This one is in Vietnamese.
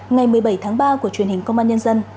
ngày một mươi bảy tháng ba